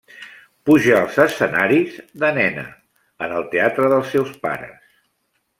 Puja als escenaris, de nena, en el teatre dels seus pares.